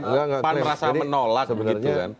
yang pan merasa menolak